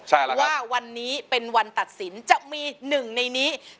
ใช่ว่าวันนี้เป็นวันตัดสินจะมีหนึ่งในนี้